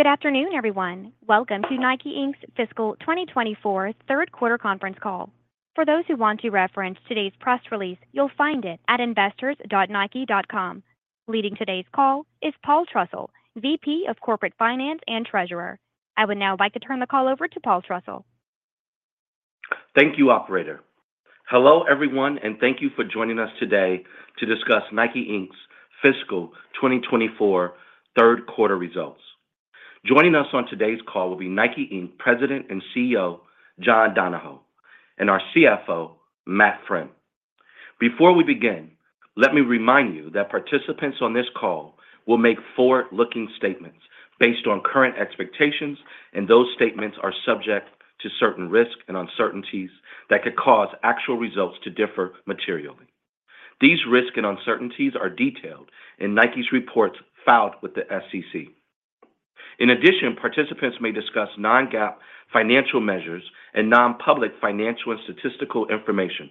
Good afternoon, everyone. Welcome to Nike Inc.'s fiscal 2024 third-quarter Conference Call. For those who want to reference today's press release, you'll find it at investors.nike.com. Leading today's call is Paul Trussell, VP of Corporate Finance and Treasurer. I would now like to turn the call over to Paul Trussell. Thank you, operator. Hello, everyone, and thank you for joining us today to discuss Nike Inc.'s fiscal 2024 third-quarter results. Joining us on today's call will be Nike Inc. President and CEO John Donahoe and our CFO Matt Friend. Before we begin, let me remind you that participants on this call will make forward-looking statements based on current expectations, and those statements are subject to certain risk and uncertainties that could cause actual results to differ materially. These risk and uncertainties are detailed in Nike reports filed with the SEC. In addition, participants may discuss non-GAAP financial measures and non-public financial and statistical information.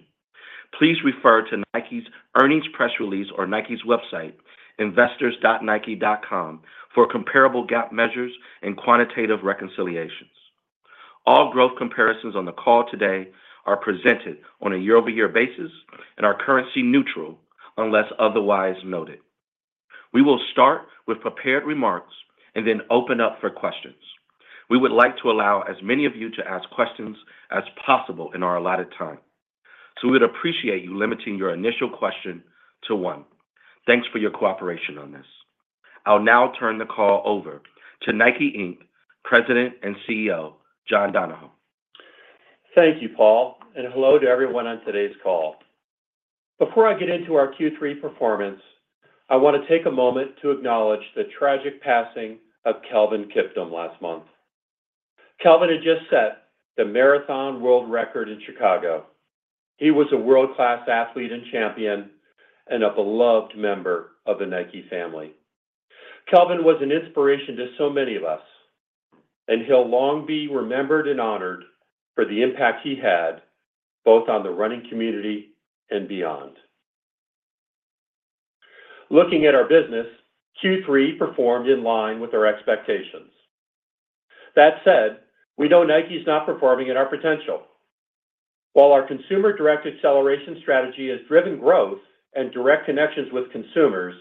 Please refer to Nike earnings press release or Nike website, investors.nike.com, for comparable GAAP measures and quantitative reconciliations. All growth comparisons on the call today are presented on a year-over-year basis and are currency-neutral unless otherwise noted. We will start with prepared remarks and then open up for questions. We would like to allow as many of you to ask questions as possible in our allotted time, so we would appreciate you limiting your initial question to one. Thanks for your cooperation on this. I'll now turn the call over to Nike Inc. President and CEO John Donahoe. Thank you, Paul, and hello to everyone on today's call. Before I get into our Q3 performance, I want to take a moment to acknowledge the tragic passing of Kelvin Kiptum last month. Kelvin had just set the marathon world record in Chicago. He was a world-class athlete and champion and a beloved member of the Nike family. Kelvin was an inspiration to so many of us, and he'll long be remembered and honored for the impact he had both on the running community and beyond. Looking at our business, Q3 performed in line with our expectations. That said, we know Nike not performing at our potential. While our consumer-directed acceleration strategy has driven growth and direct connections with consumers,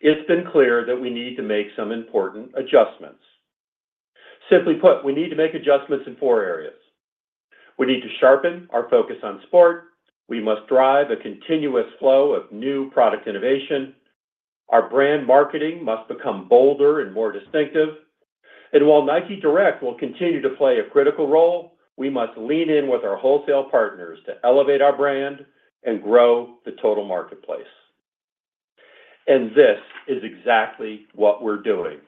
it's been clear that we need to make some important adjustments. Simply put, we need to make adjustments in four areas. We need to sharpen our focus on sport. We must drive a continuous flow of new product innovation. Our brand marketing must become bolder and more distinctive. While Nike Direct will continue to play a critical role, we must lean in with our wholesale partners to elevate our brand and grow the total marketplace. This is exactly what we're doing.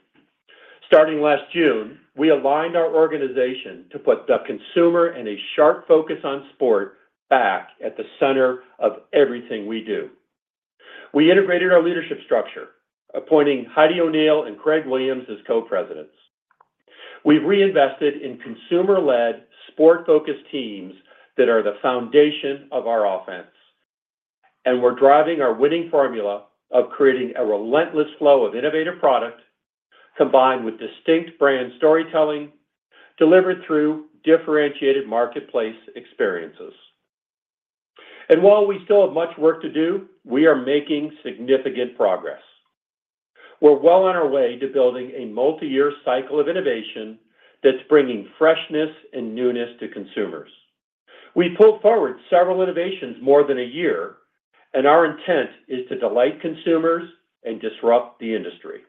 Starting last June, we aligned our organization to put the consumer and a sharp focus on sport back at the center of everything we do. We integrated our leadership structure, appointing Heidi O’Neill and Craig Williams as co-presidents. We've reinvested in consumer-led, sport-focused teams that are the foundation of our offense, and we're driving our winning formula of creating a relentless flow of innovative product combined with distinct brand storytelling delivered through differentiated marketplace experiences. While we still have much work to do, we are making significant progress. We're well on our way to building a multi-year cycle of innovation that's bringing freshness and newness to consumers. We've pulled forward several innovations more than a year, and our intent is to delight consumers and disrupt the industry.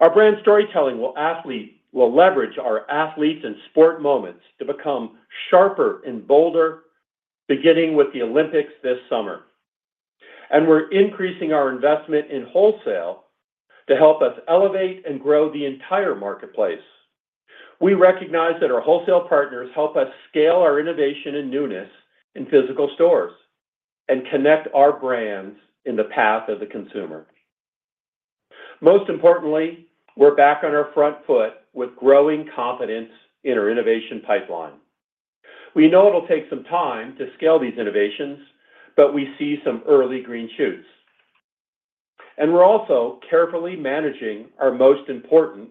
Our brand storytelling will leverage our athletes and sport moments to become sharper and bolder, beginning with the Olympics this summer. We're increasing our investment in wholesale to help us elevate and grow the entire marketplace. We recognize that our wholesale partners help us scale our innovation and newness in physical stores and connect our brands in the path of the consumer. Most importantly, we're back on our front foot with growing confidence in our innovation pipeline. We know it'll take some time to scale these innovations, but we see some early green shoots. We're also carefully managing our most important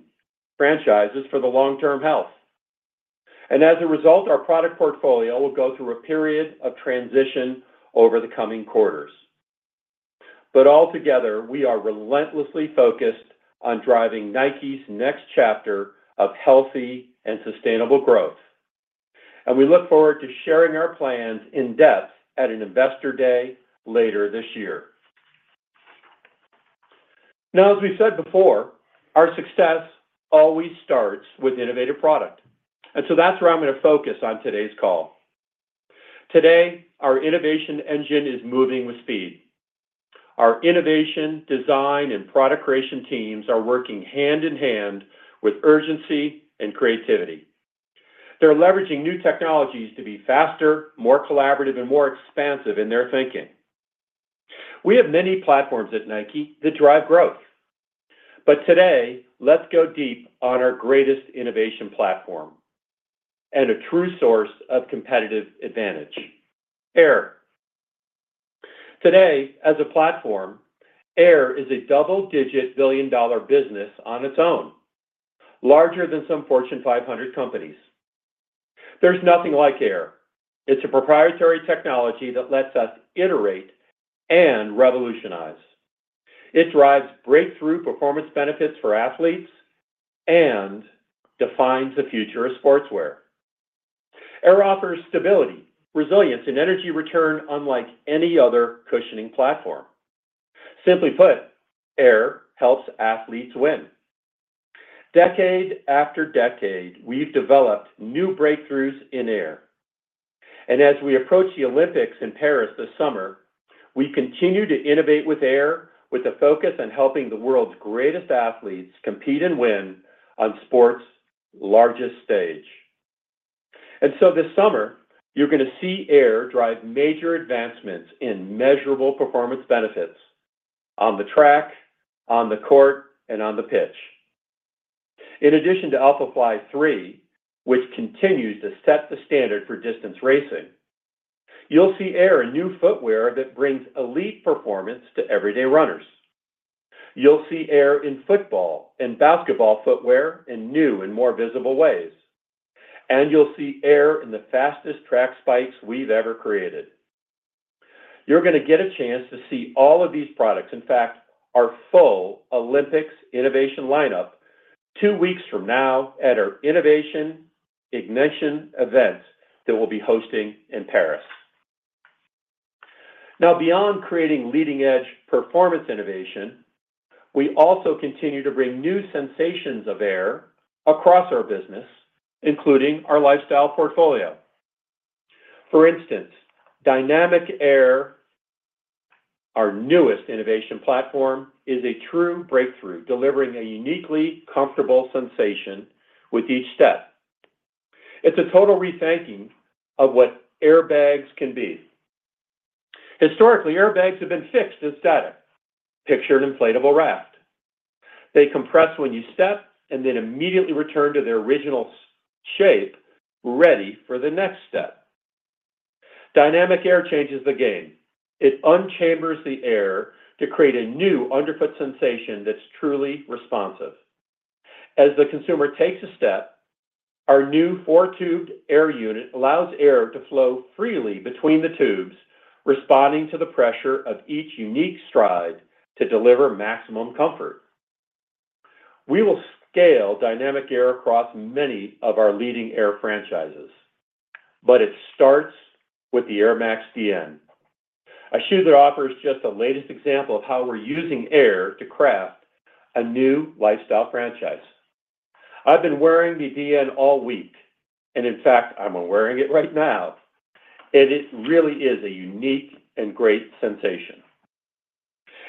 franchises for the long-term health. As a result, our product portfolio will go through a period of transition over the coming quarters. But altogether, we are relentlessly focused on driving Nike's next chapter of healthy and sustainable growth, and we look forward to sharing our plans in depth at an investor day later this year. Now, as we've said before, our success always starts with innovative product, and so that's where I'm going to focus on today's call. Today, our innovation engine is moving with speed. Our innovation, design, and product creation teams are working hand in hand with urgency and creativity. They're leveraging new technologies to be faster, more collaborative, and more expansive in their thinking. We have many platforms at Nike that drive growth, but today, let's go deep on our greatest innovation platform and a true source of competitive advantage: Air. Today, as a platform, Air is a $10+ billion-dollar business on its own, larger than some Fortune 500 companies. There's nothing like Air. It's a proprietary technology that lets us iterate and revolutionize. It drives breakthrough performance benefits for athletes and defines the future of sportswear. Air offers stability, resilience, and energy return unlike any other cushioning platform. Simply put, Air helps athletes win. Decade after decade, we've developed new breakthroughs in Air. As we approach the Olympics in Paris this summer, we continue to innovate with Air with a focus on helping the world's greatest athletes compete and win on sport's largest stage. So this summer, you're going to see Air drive major advancements in measurable performance benefits on the track, on the court, and on the pitch. In addition to Alphafly 3, which continues to set the standard for distance racing, you'll see Air in new footwear that brings elite performance to everyday runners. You'll see Air in football and basketball footwear in new and more visible ways, and you'll see Air in the fastest track spikes we've ever created. You're going to get a chance to see all of these products, in fact, our full Olympics innovation lineup, two weeks from now at our Innovation Ignition event that we'll be hosting in Paris. Now, beyond creating leading-edge performance innovation, we also continue to bring new sensations of Air across our business, including our lifestyle portfolio. For instance, Dynamic Air, our newest innovation platform, is a true breakthrough, delivering a uniquely comfortable sensation with each step. It's a total rethinking of what Airbags can be. Historically, Airbags have been fixed and static, pictured in inflatable raft. They compress when you step and then immediately return to their original shape, ready for the next step. Dynamic Air changes the game. It unchambers the Air to create a new underfoot sensation that's truly responsive. As the consumer takes a step, our new four-tubed Air unit allows Air to flow freely between the tubes, responding to the pressure of each unique stride to deliver maximum comfort. We will scale Dynamic Air across many of our leading Air franchises, but it starts with the Air Max Dn, a shoe that offers just the latest example of how we're using Air to craft a new lifestyle franchise. I've been wearing the Dn all week, and in fact, I'm wearing it right now, and it really is a unique and great sensation.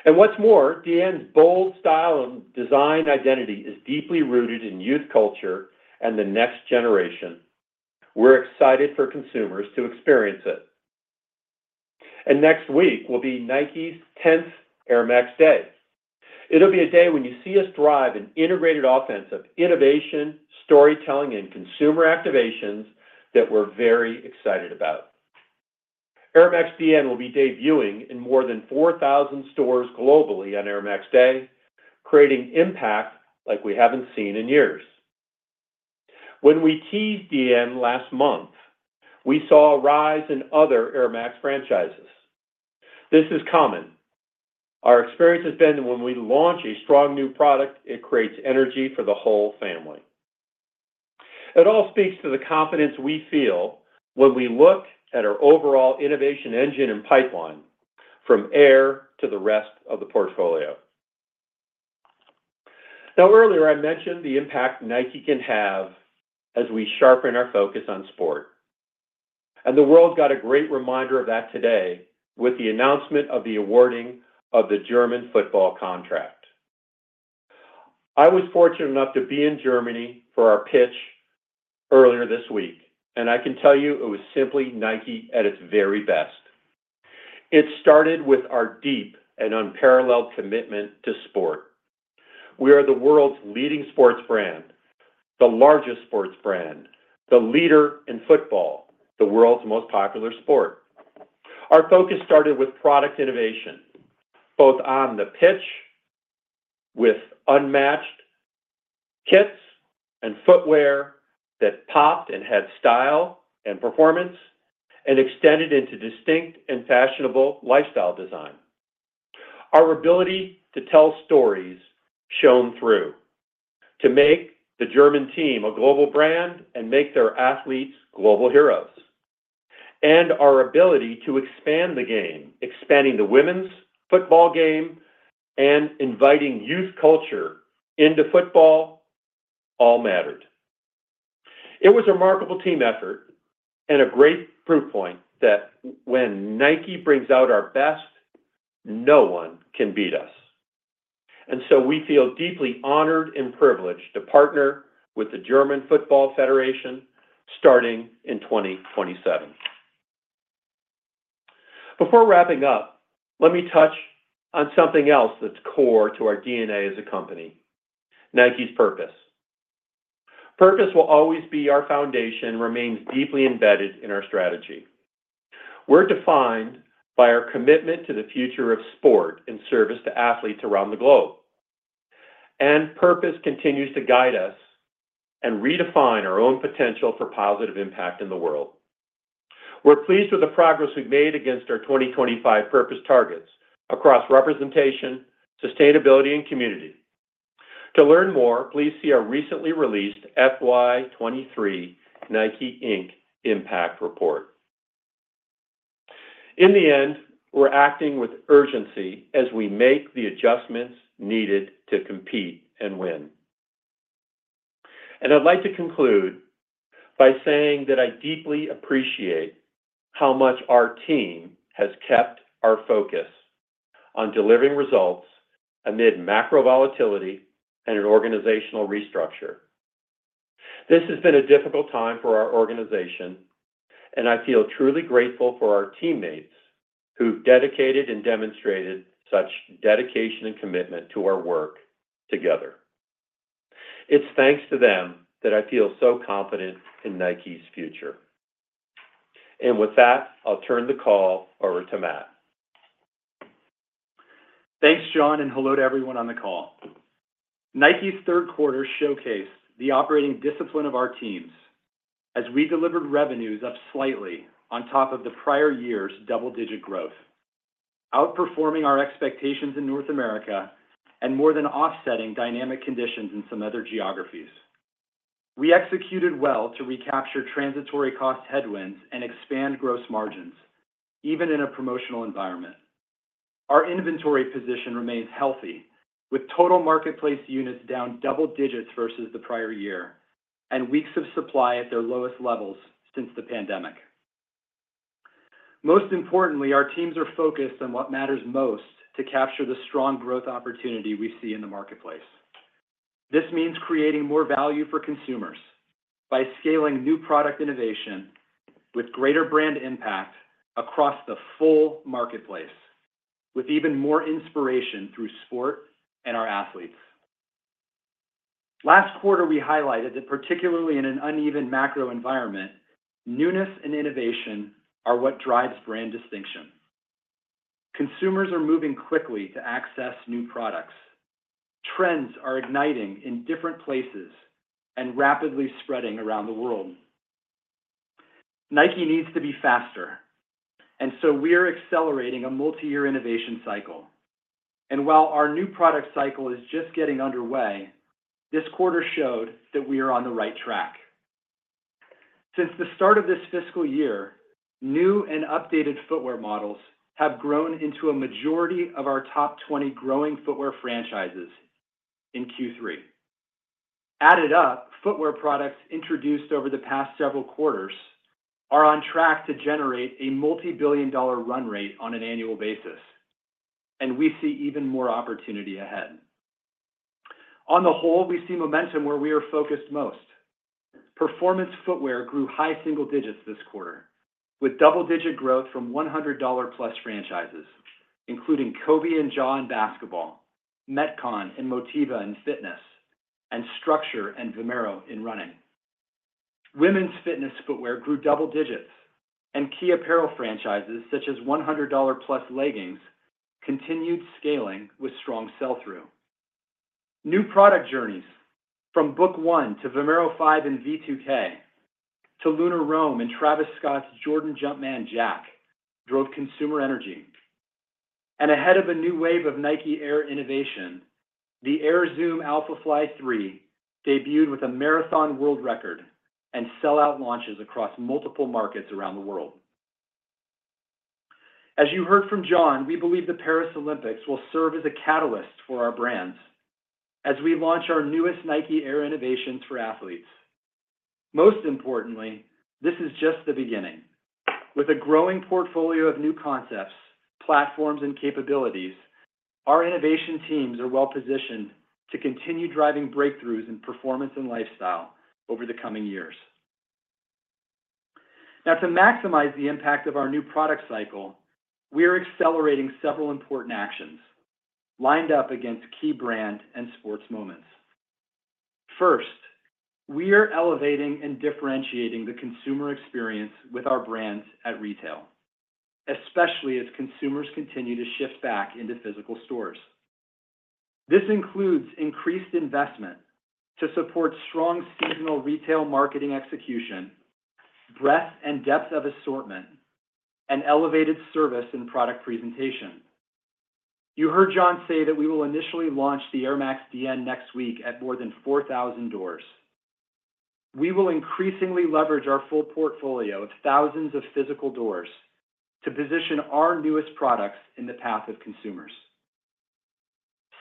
What's more, Dn's bold style and design identity is deeply rooted in youth culture and the next generation. We're excited for consumers to experience it. Next week will be Nike 10th Air Max Day. It'll be a day when you see us drive an integrated offense of innovation, storytelling, and consumer activations that we're very excited about. Air Max Dn will be debuting in more than 4,000 stores globally on Air Max Day, creating impact like we haven't seen in years. When we teased Dn last month, we saw a rise in other Air Max franchises. This is common. Our experience has been that when we launch a strong new product, it creates energy for the whole family. It all speaks to the confidence we feel when we look at our overall innovation engine and pipeline from Air to the rest of the portfolio. Now, earlier I mentioned the impact Nike can have as we sharpen our focus on sport, and the world got a great reminder of that today with the announcement of the awarding of the German football contract. I was fortunate enough to be in Germany for our pitch earlier this week, and I can tell you it was simply Nike at its very best. It started with our deep and unparalleled commitment to sport. We are the world's leading sports brand, the largest sports brand, the leader in football, the world's most popular sport. Our focus started with product innovation, both on the pitch with unmatched kits and footwear that popped and had style and performance, and extended into distinct and fashionable lifestyle design. Our ability to tell stories shone through, to make the German team a global brand and make their athletes global heroes, and our ability to expand the game, expanding the women's football game and inviting youth culture into football, all mattered. It was a remarkable team effort and a great proof point that when Nike brings out our best, no one can beat us. And so we feel deeply honored and privileged to partner with the German Football Federation starting in 2027. Before wrapping up, let me touch on something else that's core to our DNA as a company: Nike purpose. Purpose will always be our foundation and remains deeply embedded in our strategy. We're defined by our commitment to the future of sport in service to athletes around the globe, and purpose continues to guide us and redefine our own potential for positive impact in the world. We're pleased with the progress we've made against our 2025 purpose targets across representation, sustainability, and community. To learn more, please see our recently released FY23 Nike Inc. Impact Report. In the end, we're acting with urgency as we make the adjustments needed to compete and win. I'd like to conclude by saying that I deeply appreciate how much our team has kept our focus on delivering results amid macro volatility and an organizational restructure. This has been a difficult time for our organization, and I feel truly grateful for our teammates who've dedicated and demonstrated such dedication and commitment to our work together. It's thanks to them that I feel so confident in Nike future. With that, I'll turn the call over to Matt. Thanks, John, and hello to everyone on the call. Nike third quarter showcased the operating discipline of our teams as we delivered revenues up slightly on top of the prior year's double-digit growth, outperforming our expectations in North America and more than offsetting dynamic conditions in some other geographies. We executed well to recapture transitory cost headwinds and expand gross margins, even in a promotional environment. Our inventory position remains healthy, with total marketplace units down double digits versus the prior year and weeks of supply at their lowest levels since the pandemic. Most importantly, our teams are focused on what matters most to capture the strong growth opportunity we see in the marketplace. This means creating more value for consumers by scaling new product innovation with greater brand impact across the full marketplace, with even more inspiration through sport and our athletes. Last quarter, we highlighted that particularly in an uneven macro environment, newness and innovation are what drives brand distinction. Consumers are moving quickly to access new products. Trends are igniting in different places and rapidly spreading around the world. Nike needs to be faster, and so we're accelerating a multi-year innovation cycle. While our new product cycle is just getting underway, this quarter showed that we are on the right track. Since the start of this fiscal year, new and updated footwear models have grown into a majority of our top 20 growing footwear franchises in Q3. Added up, footwear products introduced over the past several quarters are on track to generate a multi-billion dollar run rate on an annual basis, and we see even more opportunity ahead. On the whole, we see momentum where we are focused most. Performance footwear grew high single digits this quarter, with double-digit growth from $100+ franchises, including Kobe and Jordan in basketball, Metcon and Motiva in fitness, and Structure and Vomero in running. Women's fitness footwear grew double digits, and key apparel franchises such as $100+ leggings continued scaling with strong sell-through. New product journeys, from Book 1 to Vomero 5 and V2K to Lunar Roam and Travis Scott's Jordan Jumpman Jack, drove consumer energy. And ahead of a new wave of Nike Air innovation, the Air Zoom Alphafly 3 debuted with a marathon world record and sellout launches across multiple markets around the world. As you heard from John, we believe the Paris Olympics will serve as a catalyst for our brands as we launch our newest Nike Air innovations for athletes. Most importantly, this is just the beginning. With a growing portfolio of new concepts, platforms, and capabilities, our innovation teams are well-positioned to continue driving breakthroughs in performance and lifestyle over the coming years. Now, to maximize the impact of our new product cycle, we are accelerating several important actions lined up against key brand and sports moments. First, we are elevating and differentiating the consumer experience with our brands at retail, especially as consumers continue to shift back into physical stores. This includes increased investment to support strong seasonal retail marketing execution, breadth and depth of assortment, and elevated service and product presentation. You heard John say that we will initially launch the Air Max Dn next week at more than 4,000 doors. We will increasingly leverage our full portfolio of thousands of physical doors to position our newest products in the path of consumers.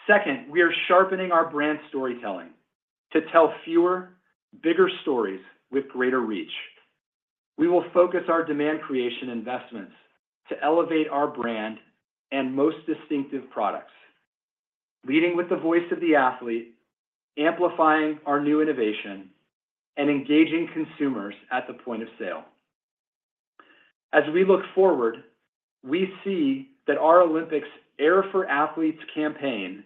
Second, we are sharpening our brand storytelling to tell fewer, bigger stories with greater reach. We will focus our demand creation investments to elevate our brand and most distinctive products, leading with the voice of the athlete, amplifying our new innovation, and engaging consumers at the point of sale. As we look forward, we see that our Olympics Air for Athletes campaign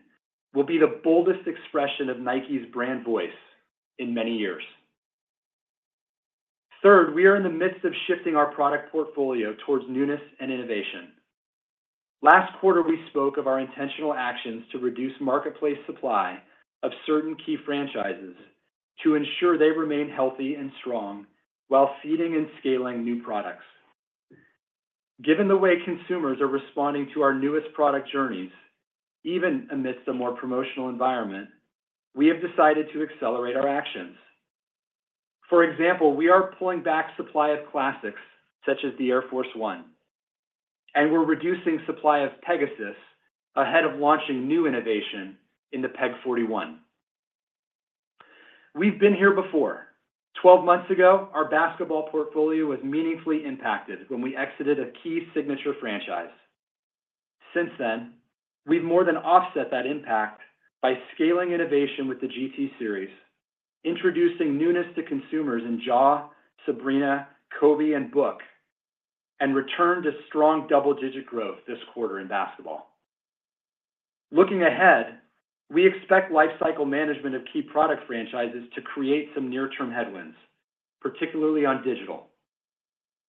will be the boldest expression of Nike brand voice in many years. Third, we are in the midst of shifting our product portfolio towards newness and innovation. Last quarter, we spoke of our intentional actions to reduce marketplace supply of certain key franchises to ensure they remain healthy and strong while feeding and scaling new products. Given the way consumers are responding to our newest product journeys, even amidst a more promotional environment, we have decided to accelerate our actions. For example, we are pulling back supply of classics such as the Air Force 1, and we're reducing supply of Pegasus ahead of launching new innovation in the Pegasus 41. We've been here before. 12 months ago, our basketball portfolio was meaningfully impacted when we exited a key signature franchise. Since then, we've more than offset that impact by scaling innovation with the G.T. Series, introducing newness to consumers in Ja, Sabrina, Kobe, and Book, and returned to strong double-digit growth this quarter in basketball. Looking ahead, we expect lifecycle management of key product franchises to create some near-term headwinds, particularly on digital.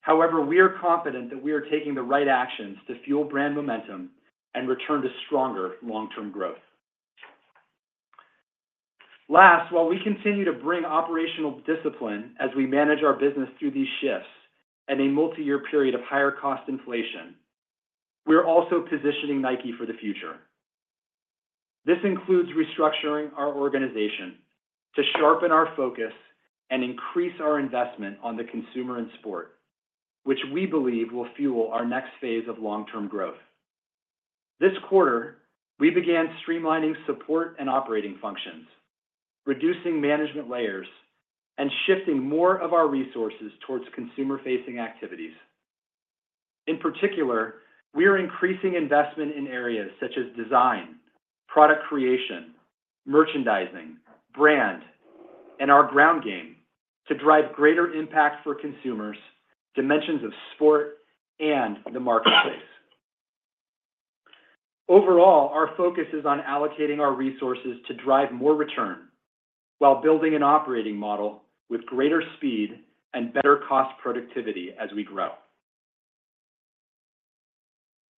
However, we are confident that we are taking the right actions to fuel brand momentum and return to stronger long-term growth. Last, while we continue to bring operational discipline as we manage our business through these shifts and a multi-year period of higher cost inflation, we are also positioning Nike for the future. This includes restructuring our organization to sharpen our focus and increase our investment on the consumer and sport, which we believe will fuel our next phase of long-term growth. This quarter, we began streamlining support and operating functions, reducing management layers, and shifting more of our resources towards consumer-facing activities. In particular, we are increasing investment in areas such as design, product creation, merchandising, brand, and our ground game to drive greater impact for consumers, dimensions of sport, and the marketplace. Overall, our focus is on allocating our resources to drive more return while building an operating model with greater speed and better cost productivity as we grow.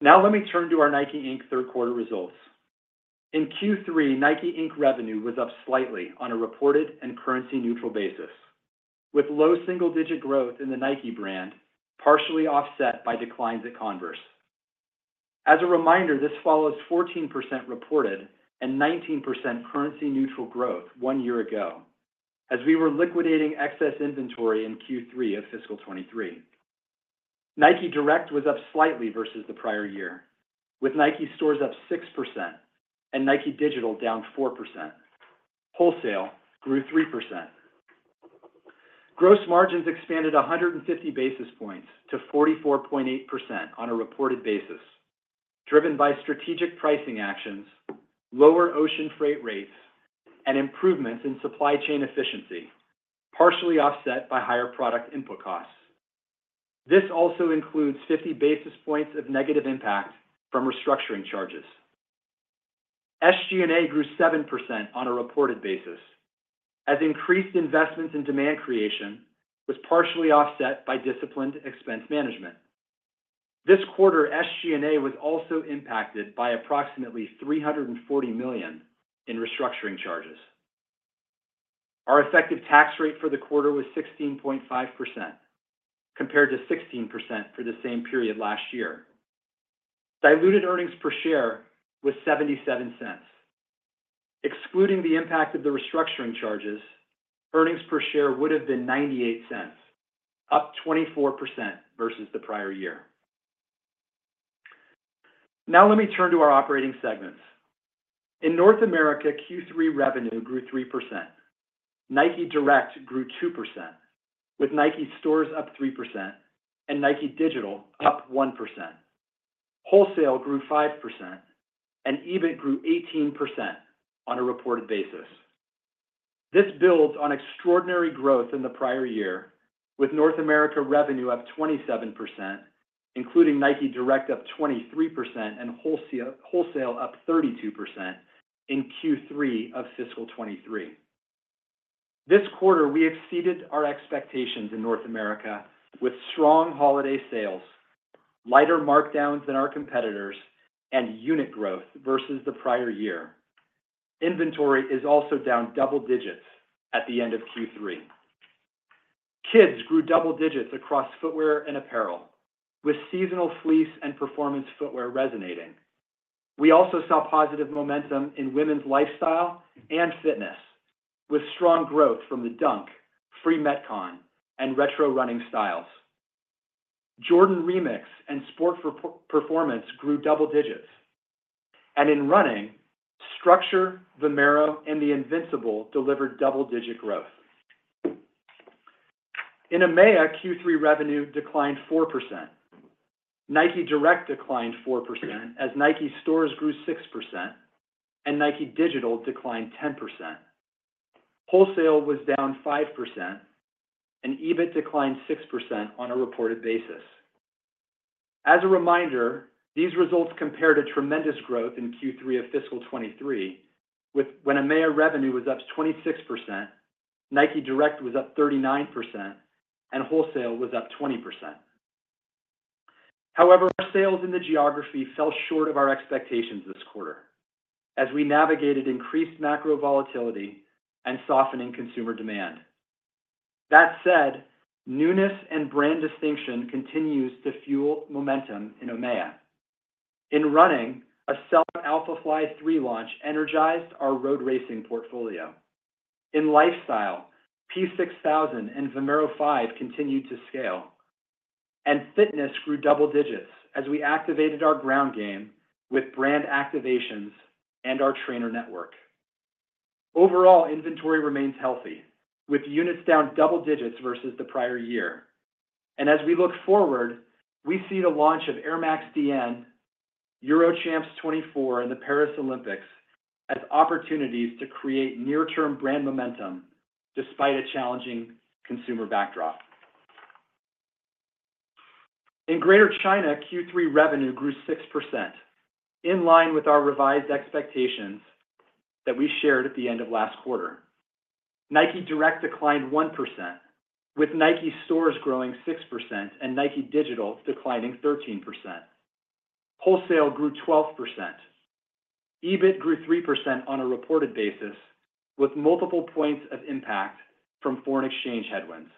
Now, let me turn to our Nike Inc. Third quarter results. In Q3, Nike Inc. revenue was up slightly on a reported and currency-neutral basis, with low- single-digit growth in the Nike brand, partially offset by declines at Converse. As a reminder, this follows 14% reported and 19% currency-neutral growth one year ago as we were liquidating excess inventory in Q3 of fiscal 2023. Nike Direct was up slightly versus the prior year, with Nike Stores up 6% and Nike Digital down 4%. Wholesale grew 3%. Gross margins expanded 150 basis points to 44.8% on a reported basis, driven by strategic pricing actions, lower ocean freight rates, and improvements in supply chain efficiency, partially offset by higher product input costs. This also includes 50 basis points of negative impact from restructuring charges. SG&A grew 7% on a reported basis, as increased investments in demand creation was partially offset by disciplined expense management. This quarter, SG&A was also impacted by approximately $340 million in restructuring charges. Our effective tax rate for the quarter was 16.5%, compared to 16% for the same period last year. Diluted earnings per share was $0.77. Excluding the impact of the restructuring charges, earnings per share would have been $0.98, up 24% versus the prior year. Now, let me turn to our operating segments. In North America, Q3 revenue grew 3%. Nike Direct grew 2%, with Nike Stores up 3% and Nike Digital up 1%. Wholesale grew 5%, and EBIT grew 18% on a reported basis. This builds on extraordinary growth in the prior year, with North America revenue up 27%, including Nike Direct up 23% and wholesale up 32% in Q3 of fiscal 2023. This quarter, we exceeded our expectations in North America with strong holiday sales, lighter markdowns than our competitors, and unit growth versus the prior year. Inventory is also down double digits at the end of Q3. Kids grew double digits across footwear and apparel, with seasonal fleece and performance footwear resonating. We also saw positive momentum in women's lifestyle and fitness, with strong growth from the Dunk, Free Metcon, and retro running styles. Jordan Remix and sport performance grew double digits, and in running, Structure, Vomero, and the Invincible delivered double-digit growth. In EMEA, Q3 revenue declined 4%. Nike Direct declined 4% as Nike Stores grew 6% and Nike Digital declined 10%. Wholesale was down 5%, and EBIT declined 6% on a reported basis. As a reminder, these results compared to tremendous growth in Q3 of fiscal 2023, when EMEA revenue was up 26%, Nike Direct was up 39%, and wholesale was up 20%. However, our sales in the geography fell short of our expectations this quarter as we navigated increased macro volatility and softening consumer demand. That said, newness and brand distinction continues to fuel momentum in EMEA. In running, a sell-out Alphafly 3 launch energized our road racing portfolio. In lifestyle, P-6000 and Vomero 5 continued to scale, and fitness grew double digits as we activated our ground game with brand activations and our trainer network. Overall, inventory remains healthy, with units down double digits versus the prior year. And as we look forward, we see the launch of Air Max Dn, EuroChamps 2024, and the Paris Olympics as opportunities to create near-term brand momentum despite a challenging consumer backdrop. In Greater China, Q3 revenue grew 6%, in line with our revised expectations that we shared at the end of last quarter. Nike Direct declined 1%, with Nike Stores growing 6% and Nike Digital declining 13%. Wholesale grew 12%. EBIT grew 3% on a reported basis, with multiple points of impact from foreign exchange headwinds.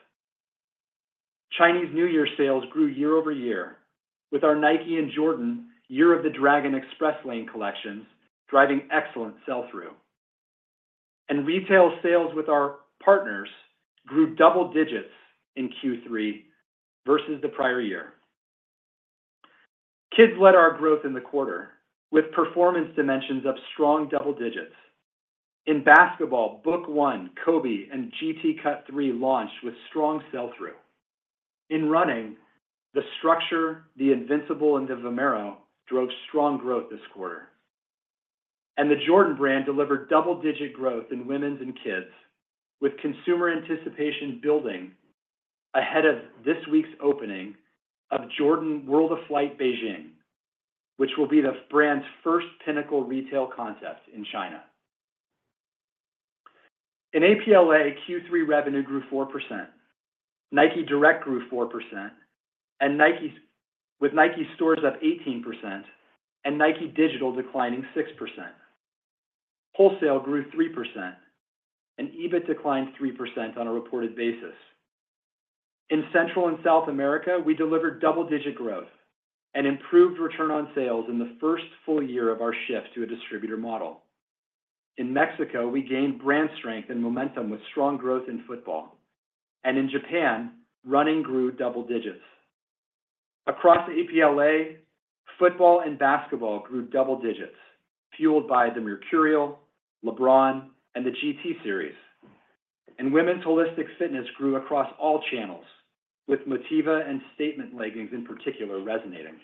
Chinese New Year sales grew year-over-year, with our Nike and Jordan Year of the Dragon Express Lane collections driving excellent sell-through. Retail sales with our partners grew double digits in Q3 versus the prior year. Kids led our growth in the quarter, with performance dimensions up strong double digits. In basketball, Book 1, Kobe, and G.T. Cut 3 launched with strong sell-through. In running, the Structure, the Invincible, and the Vomero drove strong growth this quarter. The Jordan Brand delivered double-digit growth in women's and kids, with consumer anticipation building ahead of this week's opening of Jordan World of Flight Beijing, which will be the brand's first pinnacle retail contest in China. In APLA, Q3 revenue grew 4%. Nike Direct grew 4%, with Nike Stores up 18% and Nike Digital declining 6%. Wholesale grew 3%, and EBIT declined 3% on a reported basis. In Central and South America, we delivered double-digit growth and improved return on sales in the first full year of our shift to a distributor model. In Mexico, we gained brand strength and momentum with strong growth in football, and in Japan, running grew double digits. Across APLA, football and basketball grew double digits, fueled by the Mercurial, LeBron, and the G.T. Series. Women's holistic fitness grew across all channels, with Motiva and Statement leggings in particular resonating.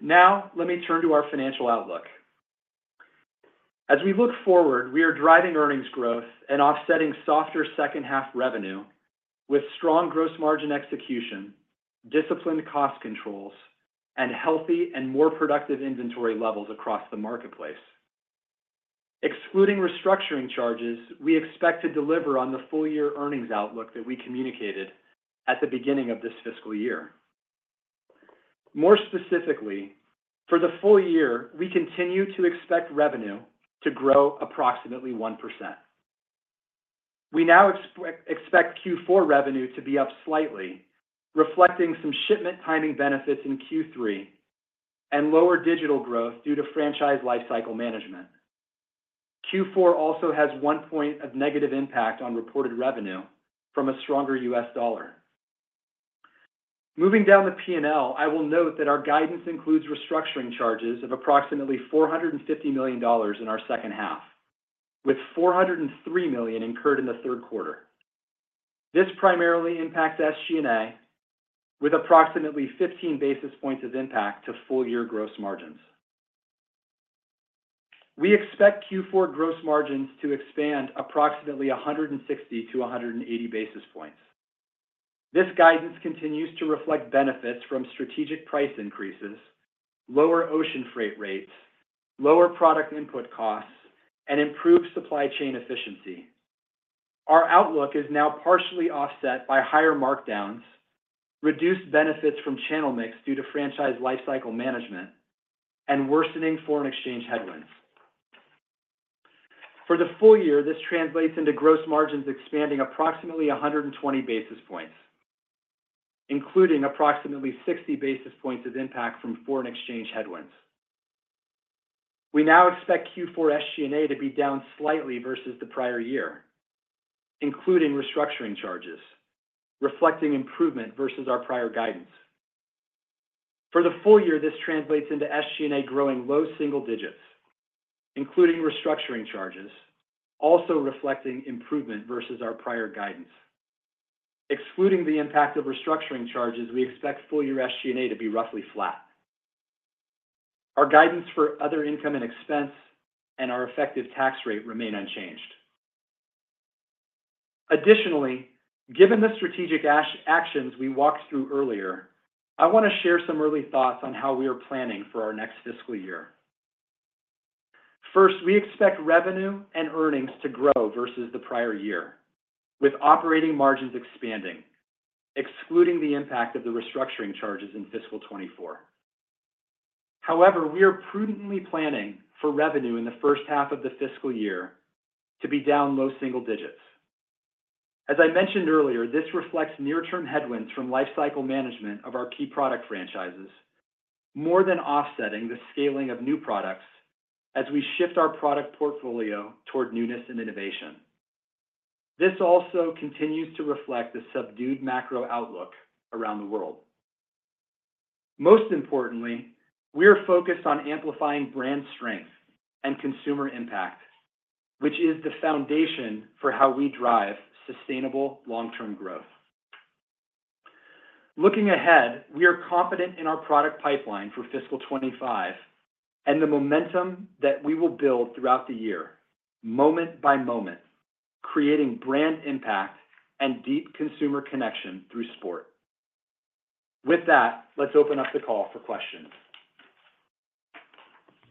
Now, let me turn to our financial outlook. As we look forward, we are driving earnings growth and offsetting softer second-half revenue with strong gross margin execution, disciplined cost controls, and healthy and more productive inventory levels across the marketplace. Excluding restructuring charges, we expect to deliver on the full-year earnings outlook that we communicated at the beginning of this fiscal year. More specifically, for the full year, we continue to expect revenue to grow approximately 1%. We now expect Q4 revenue to be up slightly, reflecting some shipment timing benefits in Q3 and lower digital growth due to franchise lifecycle management. Q4 also has 1 point of negative impact on reported revenue from a stronger U.S. dollar. Moving down the P&L, I will note that our guidance includes restructuring charges of approximately $450 million in our second half, with $403 million incurred in the third quarter. This primarily impacts SG&A, with approximately 15 basis points of impact to full-year gross margins. We expect Q4 gross margins to expand approximately 160-180 basis points. This guidance continues to reflect benefits from strategic price increases, lower ocean freight rates, lower product input costs, and improved supply chain efficiency. Our outlook is now partially offset by higher markdowns, reduced benefits from channel mix due to franchise lifecycle management, and worsening foreign exchange headwinds. For the full year, this translates into gross margins expanding approximately 120 basis points, including approximately 60 basis points of impact from foreign exchange headwinds. We now expect Q4 SG&A to be down slightly versus the prior year, including restructuring charges, reflecting improvement versus our prior guidance. For the full year, this translates into SG&A growing low- single-digits, including restructuring charges, also reflecting improvement versus our prior guidance. Excluding the impact of restructuring charges, we expect full-year SG&A to be roughly flat. Our guidance for other income and expense and our effective tax rate remain unchanged. Additionally, given the strategic actions we walked through earlier, I want to share some early thoughts on how we are planning for our next fiscal year. First, we expect revenue and earnings to grow versus the prior year, with operating margins expanding, excluding the impact of the restructuring charges in fiscal 2024. However, we are prudently planning for revenue in the first half of the fiscal year to be down low-single-digits. As I mentioned earlier, this reflects near-term headwinds from lifecycle management of our key product franchises, more than offsetting the scaling of new products as we shift our product portfolio toward newness and innovation. This also continues to reflect the subdued macro outlook around the world. Most importantly, we are focused on amplifying brand strength and consumer impact, which is the foundation for how we drive sustainable long-term growth. Looking ahead, we are confident in our product pipeline for fiscal 2025 and the momentum that we will build throughout the year, moment by moment, creating brand impact and deep consumer connection through sport. With that, let's open up the call for questions.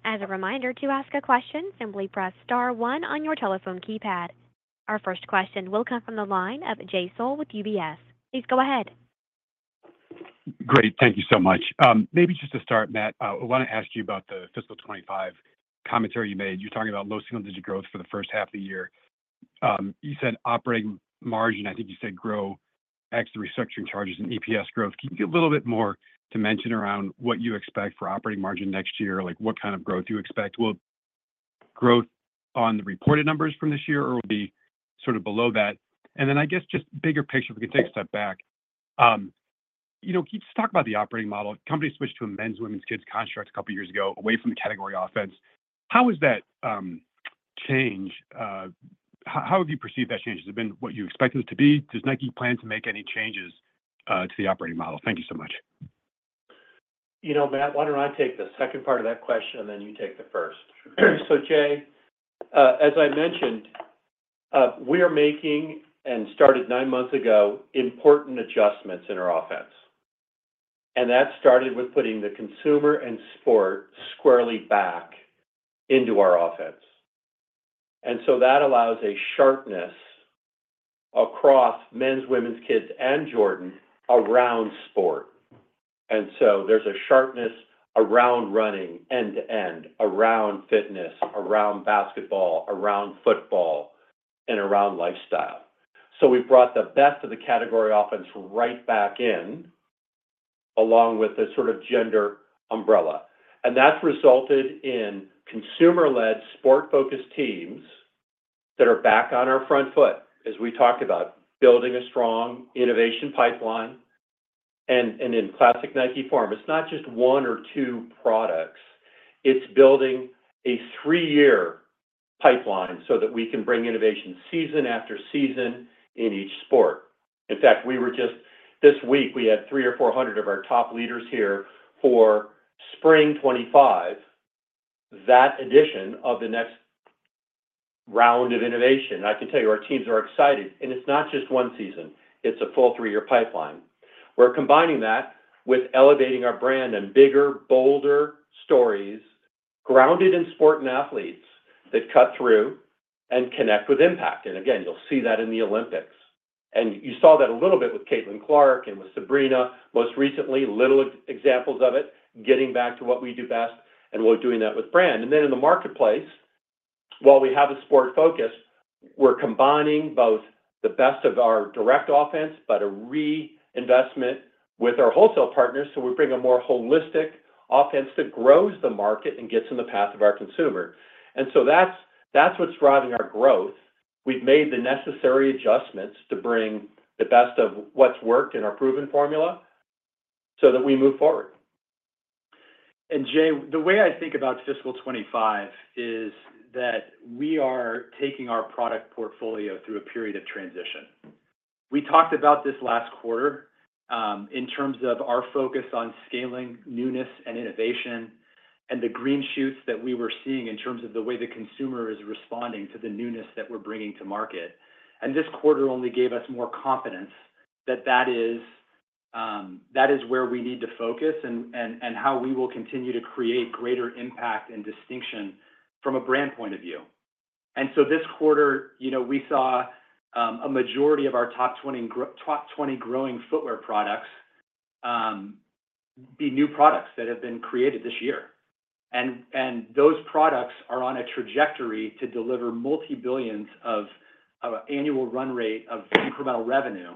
As a reminder to ask a question, simply press star one on your telephone keypad. Our first question will come from the line of Jay Sole with UBS. Please go ahead. Great. Thank you so much. Maybe just to start, Matt, I want to ask you about the fiscal 2025 commentary you made. You're talking about low single-digit growth for the first half of the year. You said operating margin, I think you said grow, actually restructuring charges and EPS growth. Can you give a little bit more dimension around what you expect for operating margin next year, what kind of growth you expect? Will growth on the reported numbers from this year, or will it be sort of below that? And then I guess just bigger picture, if we can take a step back, just talk about the operating model. The company switched to a men's/women's/kids contract a couple of years ago, away from the category offense. How has that changed? How have you perceived that change? Has it been what you expected it to be? Does Nike plan to make any changes to the operating model? Thank you so much. Matt, why don't I take the second part of that question, and then you take the first. So, Jay, as I mentioned, we are making and started nine months ago important adjustments in our offense. And that started with putting the consumer and sport squarely back into our offense. And so that allows a sharpness across men's/women's/kids and Jordan around sport. And so there's a sharpness around running end-to-end, around fitness, around basketball, around football, and around lifestyle. So we've brought the best of the category offense right back in, along with the sort of gender umbrella. And that's resulted in consumer-led, sport-focused teams that are back on our front foot, as we talked about, building a strong innovation pipeline. And in classic Nike form, it's not just one or two products. It's building a three-year pipeline so that we can bring innovation season after season in each sport. In fact, this week, we had 300 or 400 of our top leaders here for Spring 2025, that edition of the next round of innovation. I can tell you, our teams are excited. And it's not just one season. It's a full 3-year pipeline. We're combining that with elevating our brand and bigger, bolder stories grounded in sport and athletes that cut through and connect with impact. And again, you'll see that in the Olympics. And you saw that a little bit with Caitlin Clark and with Sabrina, most recently, little examples of it, getting back to what we do best, and we're doing that with brand. In the marketplace, while we have a sport focus, we're combining both the best of our direct offense but a reinvestment with our wholesale partners so we bring a more holistic offense that grows the market and gets in the path of our consumer. That's what's driving our growth. We've made the necessary adjustments to bring the best of what's worked in our proven formula so that we move forward. Jay, the way I think about fiscal 2025 is that we are taking our product portfolio through a period of transition. We talked about this last quarter in terms of our focus on scaling, newness, and innovation, and the green shoots that we were seeing in terms of the way the consumer is responding to the newness that we're bringing to market. This quarter, we saw a majority of our top 20 growing footwear products be new products that have been created this year. Those products are on a trajectory to deliver multibillions of annual run rate of incremental revenue.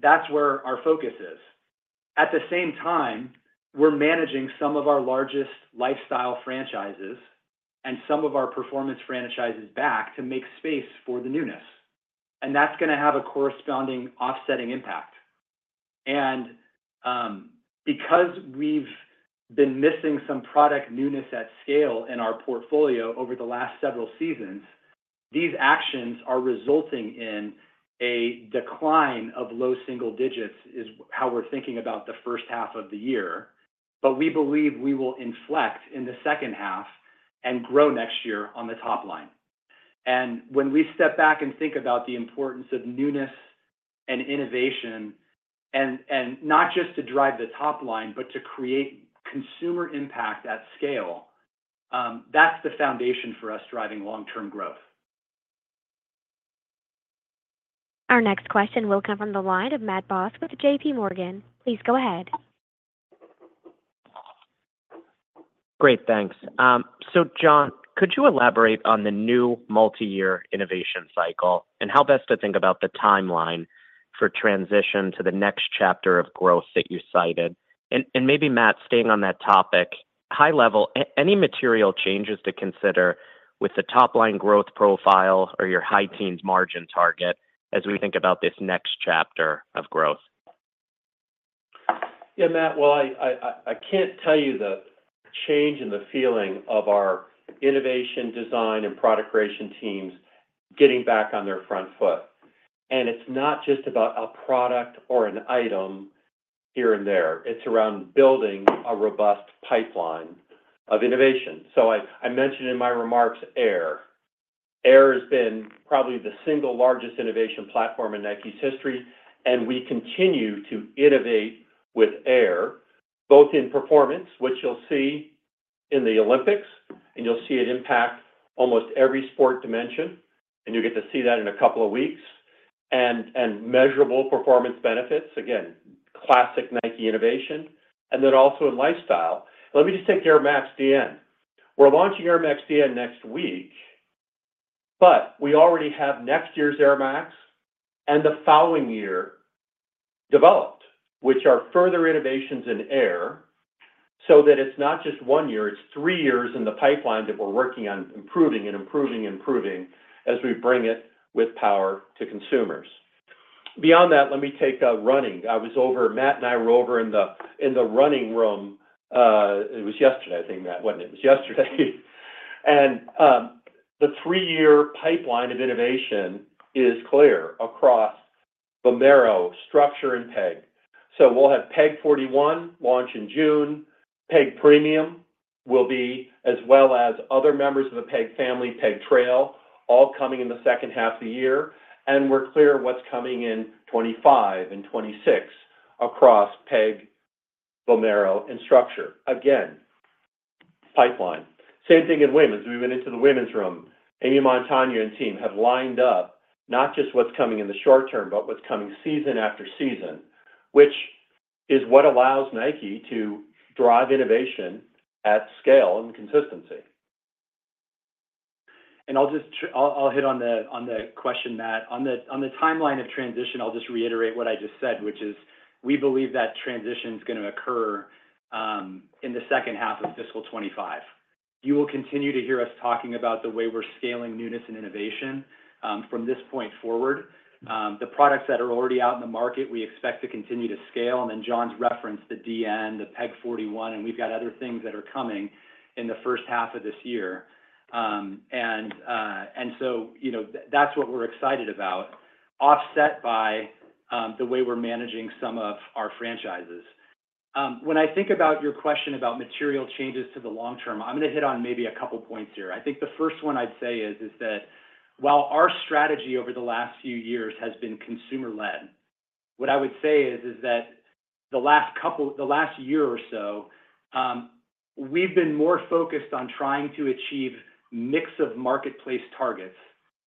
That's where our focus is. At the same time, we're managing some of our largest lifestyle franchises and some of our performance franchises back to make space for the newness. That's going to have a corresponding offsetting impact. Because we've been missing some product newness at scale in our portfolio over the last several seasons, these actions are resulting in a decline of low- single-digits, is how we're thinking about the first half of the year. We believe we will inflect in the second half and grow next year on the top line. When we step back and think about the importance of newness and innovation, and not just to drive the top line but to create consumer impact at scale, that's the foundation for us driving long-term growth. Our next question will come from the line of Matt Boss with J.P. Morgan. Please go ahead. Great. Thanks. So, John, could you elaborate on the new multi-year innovation cycle and how best to think about the timeline for transition to the next chapter of growth that you cited? And maybe, Matt, staying on that topic, high level, any material changes to consider with the top-line growth profile or your high-teens margin target as we think about this next chapter of growth? Yeah, Matt. Well, I can't tell you the change in the feeling of our innovation, design, and product creation teams getting back on their front foot. It's not just about a product or an item here and there. It's around building a robust pipeline of innovation. I mentioned in my remarks, Air. Air has been probably the single largest innovation platform in Nike history. We continue to innovate with Air, both in performance, which you'll see in the Olympics, and you'll see it impact almost every sport dimension. You'll get to see that in a couple of weeks, and measurable performance benefits, again, classic Nike innovation, and then also in lifestyle. Let me just take Air Max Dn. We're launching Air Max Dn next week, but we already have next year's Air Max and the following year developed, which are further innovations in Air so that it's not just one year. It's three years in the pipeline that we're working on improving and improving and improving as we bring it with power to consumers. Beyond that, let me take running. Matt and I were over in the running room. It was yesterday, I think, Matt, wasn't it? It was yesterday. And the three-year pipeline of innovation is clear across Vomero, Structure, and Peg. So we'll have Peg 41 launch in June. Peg Premium will be, as well as other members of the Peg family, Peg Trail, all coming in the second half of the year. And we're clear what's coming in 2025 and 2026 across Peg, Vomero, and Structure. Again, pipeline. Same thing in women's. We went into the women's room. Amy Montagne and team have lined up not just what's coming in the short-term but what's coming season after season, which is what allows Nike to drive innovation at scale and consistency. I'll hit on the question, Matt. On the timeline of transition, I'll just reiterate what I just said, which is we believe that transition's going to occur in the second half of fiscal 2025. You will continue to hear us talking about the way we're scaling newness and innovation from this point forward. The products that are already out in the market, we expect to continue to scale. Then John's referenced the Dn, the Pegasus 41, and we've got other things that are coming in the first half of this year. And so that's what we're excited about, offset by the way we're managing some of our franchises. When I think about your question about material changes to the long-term, I'm going to hit on maybe a couple of points here. I think the first one I'd say is that while our strategy over the last few years has been consumer-led, what I would say is that the last year or so, we've been more focused on trying to achieve mix of marketplace targets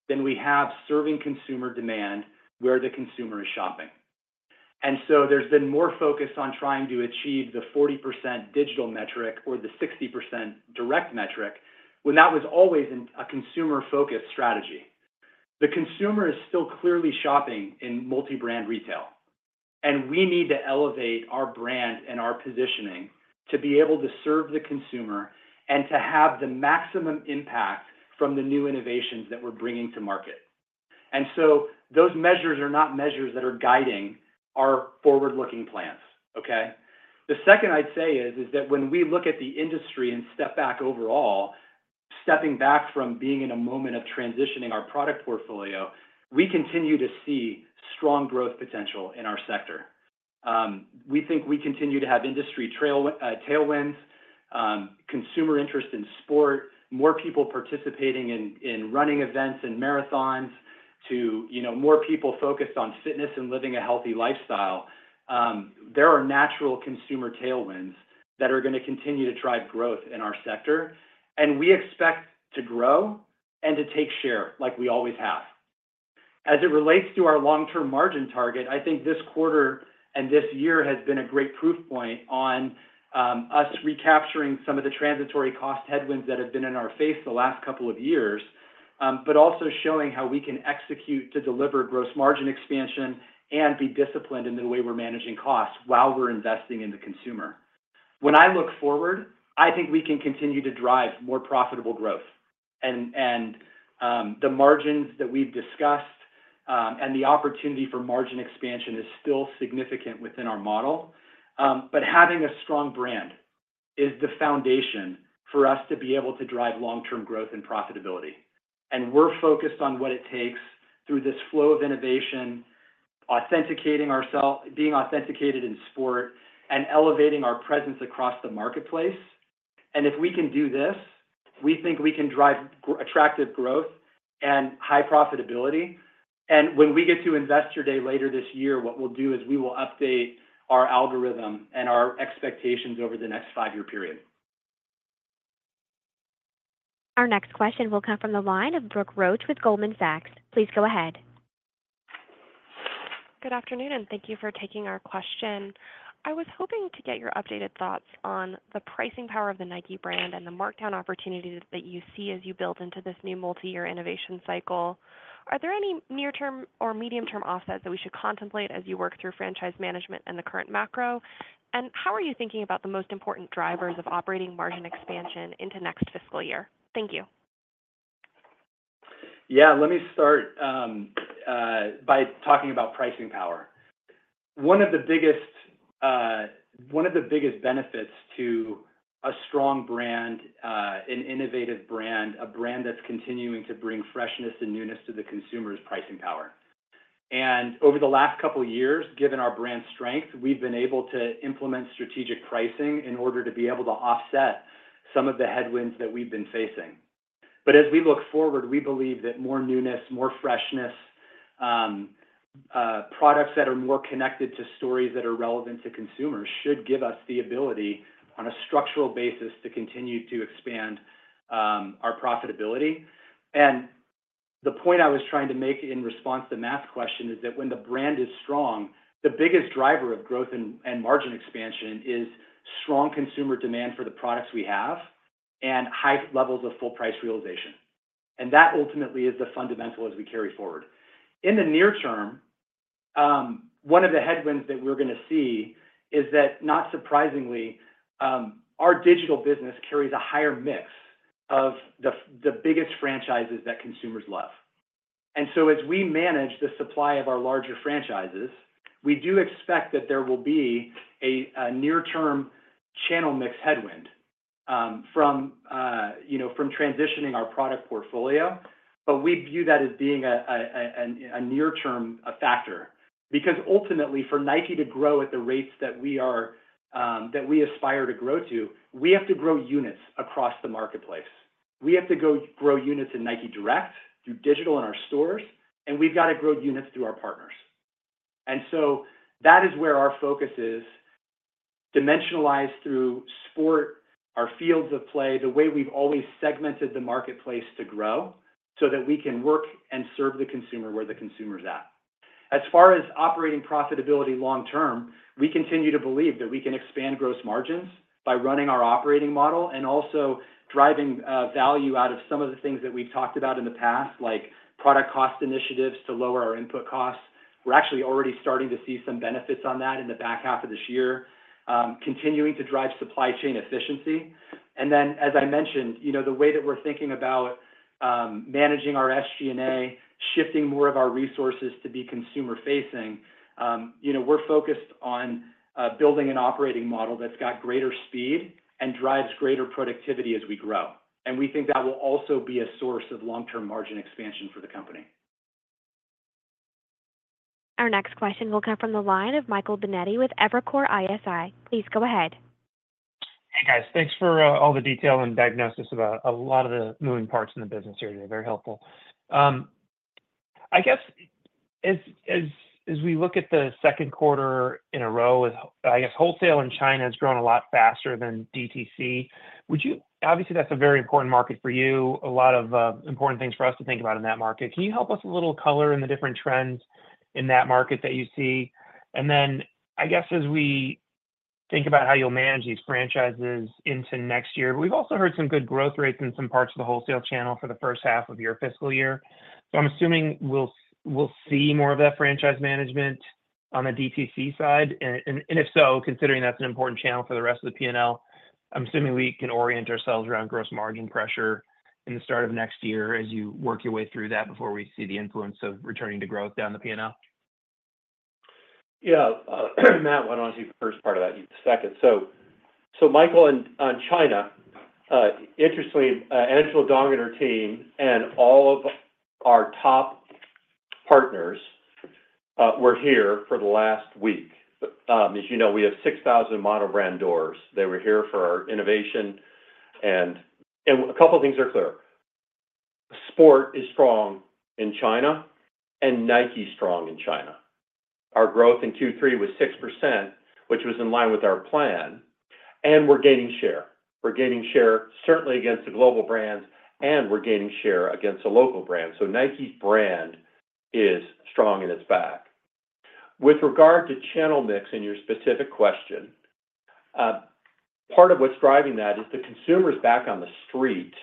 than we have serving consumer demand where the consumer is shopping. And so there's been more focus on trying to achieve the 40% digital metric or the 60% direct metric when that was always a consumer-focused strategy. The consumer is still clearly shopping in multi-brand retail. And we need to elevate our brand and our positioning to be able to serve the consumer and to have the maximum impact from the new innovations that we're bringing to market. And so those measures are not measures that are guiding our forward-looking plans, okay? The second I'd say is that when we look at the industry and step back overall, stepping back from being in a moment of transitioning our product portfolio, we continue to see strong growth potential in our sector. We think we continue to have industry tailwinds, consumer interest in sport, more people participating in running events and marathons to more people focused on fitness and living a healthy lifestyle. There are natural consumer tailwinds that are going to continue to drive growth in our sector. We expect to grow and to take share like we always have. As it relates to our long-term margin target, I think this quarter and this year has been a great proof point on us recapturing some of the transitory cost headwinds that have been in our face the last couple of years, but also showing how we can execute to deliver gross margin expansion and be disciplined in the way we're managing costs while we're investing in the consumer. When I look forward, I think we can continue to drive more profitable growth. And the margins that we've discussed and the opportunity for margin expansion is still significant within our model. But having a strong brand is the foundation for us to be able to drive long-term growth and profitability. And we're focused on what it takes through this flow of innovation, being authentic in sport, and elevating our presence across the marketplace. If we can do this, we think we can drive attractive growth and high profitability. When we get to Investor Day later this year, what we'll do is we will update our algorithm and our expectations over the next five-year period. Our next question will come from the line of Brooke Roach with Goldman Sachs. Please go ahead. Good afternoon, and thank you for taking our question. I was hoping to get your updated thoughts on the pricing power of the Nike brand and the markdown opportunity that you see as you build into this new multi-year innovation cycle. Are there any near-term or medium-term offsets that we should contemplate as you work through franchise management and the current macro? And how are you thinking about the most important drivers of operating margin expansion into next fiscal year? Thank you. Yeah. Let me start by talking about pricing power. One of the biggest one of the biggest benefits to a strong brand, an innovative brand, a brand that's continuing to bring freshness and newness to the consumer is pricing power. Over the last couple of years, given our brand strength, we've been able to implement strategic pricing in order to be able to offset some of the headwinds that we've been facing. As we look forward, we believe that more newness, more freshness, products that are more connected to stories that are relevant to consumers should give us the ability, on a structural basis, to continue to expand our profitability. The point I was trying to make in response to Matt's question is that when the brand is strong, the biggest driver of growth and margin expansion is strong consumer demand for the products we have and high levels of full-price realization. That ultimately is the fundamental as we carry forward. In the near term, one of the headwinds that we're going to see is that, not surprisingly, our digital business carries a higher mix of the biggest franchises that consumers love. And so as we manage the supply of our larger franchises, we do expect that there will be a near-term channel mix headwind from transitioning our product portfolio. But we view that as being a near-term factor because, ultimately, for Nike to grow at the rates that we aspire to grow to, we have to grow units across the marketplace. We have to grow units in Nike Direct through digital in our stores. We've got to grow units through our partners. That is where our focus is dimensionalized through sport, our fields of play, the way we've always segmented the marketplace to grow so that we can work and serve the consumer where the consumer's at. As far as operating profitability long-term, we continue to believe that we can expand gross margins by running our operating model and also driving value out of some of the things that we've talked about in the past, like product cost initiatives to lower our input costs. We're actually already starting to see some benefits on that in the back half of this year, continuing to drive supply chain efficiency. And then, as I mentioned, the way that we're thinking about managing our SG&A, shifting more of our resources to be consumer-facing, we're focused on building an operating model that's got greater speed and drives greater productivity as we grow. We think that will also be a source of long-term margin expansion for the company. Our next question will come from the line of Michael Binetti with Evercore ISI. Please go ahead. Hey, guys. Thanks for all the detail and diagnosis about a lot of the moving parts in the business here today. Very helpful. I guess as we look at the second quarter in a row, I guess wholesale in China has grown a lot faster than DTC. Obviously, that's a very important market for you, a lot of important things for us to think about in that market. Can you help us a little color in the different trends in that market that you see? And then, I guess, as we think about how you'll manage these franchises into next year, but we've also heard some good growth rates in some parts of the wholesale channel for the first half of your fiscal year. So I'm assuming we'll see more of that franchise management on the DTC side. If so, considering that's an important channel for the rest of the P&L, I'm assuming we can orient ourselves around gross margin pressure in the start of next year as you work your way through that before we see the influence of returning to growth down the P&L? Yeah. Matt, why don't I take the first part of that? You take the second. So, Michael, on China, interestingly, Angela Dong and her team and all of our top partners were here for the last week. As you know, we have 6,000 monobrand doors. They were here for our innovation. A couple of things are clear. Sport is strong in China and Nike strong in China. Our growth in Q3 was 6%, which was in line with our plan. We're gaining share. We're gaining share, certainly, against the global brands, and we're gaining share against the local brands. So Nike brand is strong. It's back. With regard to channel mix in your specific question, part of what's driving that is the consumers are back on the street.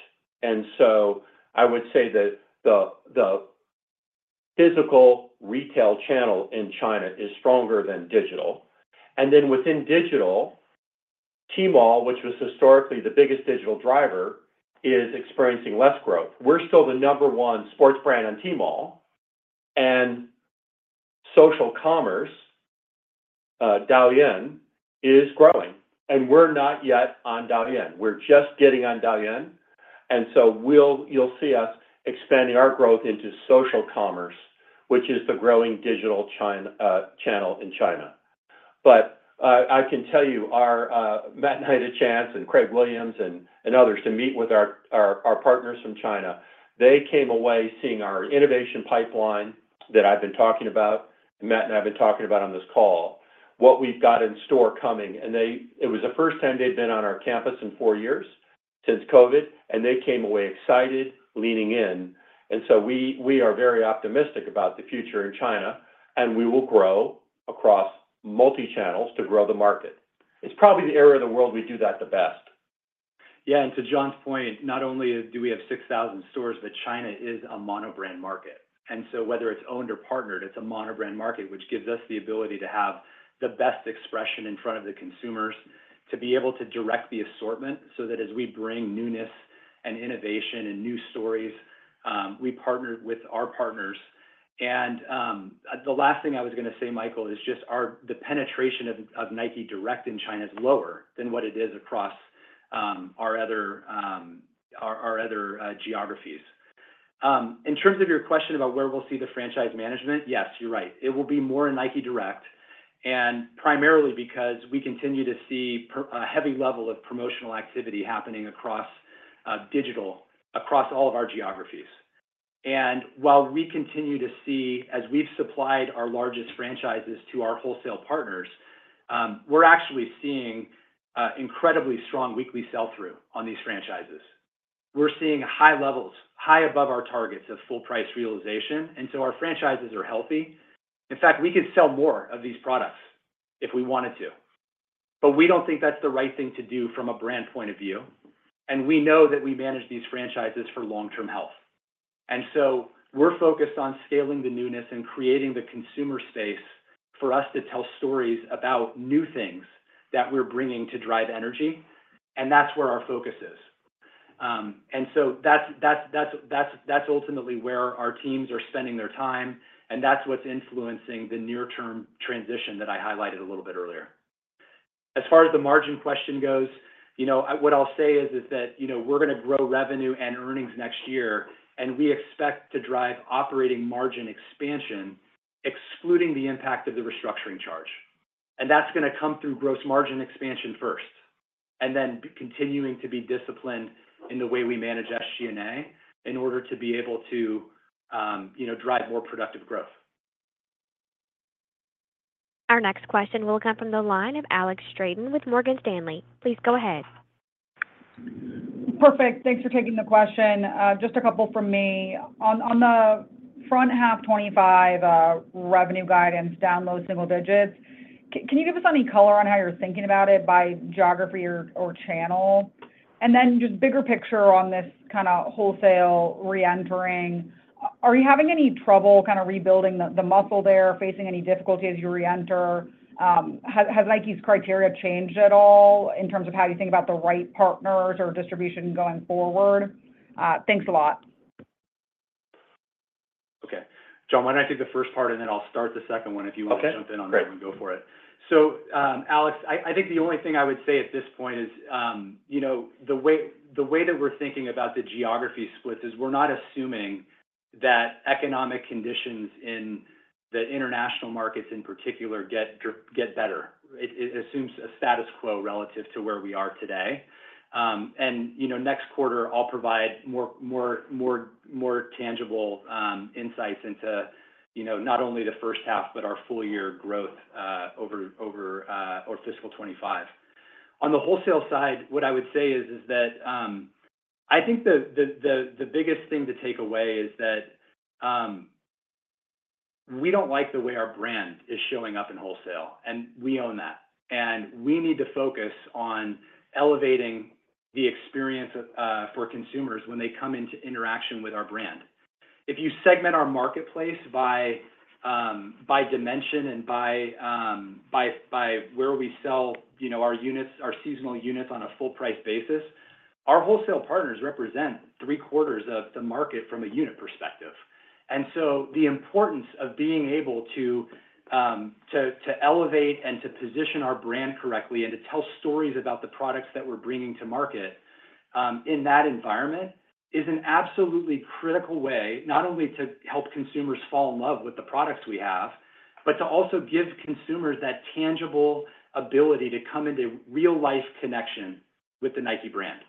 And so I would say that the physical retail channel in China is stronger than digital. Then within digital, Tmall, which was historically the biggest digital driver, is experiencing less growth. We're still the number one sports brand on Tmall. Social commerce, Douyin, is growing. We're not yet on Douyin. We're just getting on Douyin. So you'll see us expanding our growth into social commerce, which is the growing digital channel in China. But I can tell you, Matt and I had a chance, and Craig Williams and others, to meet with our partners from China. They came away seeing our innovation pipeline that I've been talking about, Matt and I have been talking about on this call, what we've got in store coming. It was the first time they'd been on our campus in four years since COVID. They came away excited, leaning in. So we are very optimistic about the future in China. We will grow across multi-channels to grow the market. It's probably the area of the world we do that the best. Yeah. To John's point, not only do we have 6,000 stores, but China is a monobrand market. So whether it's owned or partnered, it's a monobrand market, which gives us the ability to have the best expression in front of the consumers, to be able to direct the assortment so that as we bring newness and innovation and new stories, we partner with our partners. The last thing I was going to say, Michael, is just the penetration of Nike Direct in China is lower than what it is across our other geographies. In terms of your question about where we'll see the franchise management, yes, you're right. It will be more in Nike Direct, and primarily because we continue to see a heavy level of promotional activity happening across digital across all of our geographies. While we continue to see, as we've supplied our largest franchises to our wholesale partners, we're actually seeing incredibly strong weekly sell-through on these franchises. We're seeing high levels, high above our targets of full-price realization. So our franchises are healthy. In fact, we could sell more of these products if we wanted to. But we don't think that's the right thing to do from a brand point of view. We know that we manage these franchises for long-term health. So we're focused on scaling the newness and creating the consumer space for us to tell stories about new things that we're bringing to drive energy. That's where our focus is. So that's ultimately where our teams are spending their time. That's what's influencing the near-term transition that I highlighted a little bit earlier. As far as the margin question goes, what I'll say is that we're going to grow revenue and earnings next year. We expect to drive operating margin expansion excluding the impact of the restructuring charge. That's going to come through gross margin expansion first and then continuing to be disciplined in the way we manage SG&A in order to be able to drive more productive growth. Our next question will come from the line of Alex Straton with Morgan Stanley. Please go ahead. Perfect. Thanks for taking the question. Just a couple from me. On the front half, 25 revenue guidance, down low- single-digits. Can you give us any color on how you're thinking about it by geography or channel? And then just bigger picture on this kind of wholesale reentering, are you having any trouble kind of rebuilding the muscle there, facing any difficulty as you reenter? Has Nike criteria changed at all in terms of how you think about the right partners or distribution going forward? Thanks a lot. Okay. John, why don't I take the first part, and then I'll start the second one if you want to jump in on that one. Go for it. So, Alex, I think the only thing I would say at this point is the way that we're thinking about the geography splits is we're not assuming that economic conditions in the international markets in particular get better. It assumes a status quo relative to where we are today. And next quarter, I'll provide more tangible insights into not only the first half but our full-year growth over fiscal 2025. On the wholesale side, what I would say is that I think the biggest thing to take away is that we don't like the way our brand is showing up in wholesale. And we own that. We need to focus on elevating the experience for consumers when they come into interaction with our brand. If you segment our marketplace by dimension and by where we sell our units, our seasonal units on a full-price basis, our wholesale partners represent three-quarters of the market from a unit perspective. The importance of being able to elevate and to position our brand correctly and to tell stories about the products that we're bringing to market in that environment is an absolutely critical way not only to help consumers fall in love with the products we have but to also give consumers that tangible ability to come into real-life connection with the Nike brand.